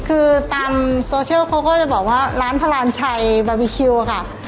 คือตามโซเชียลเขาก็จะบอกว่าร้านพลานชัยบาร์บีคิวค่ะ